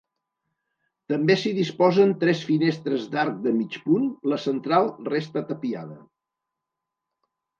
També s'hi disposen tres finestres d'arc de mig punt, la central resta tapiada.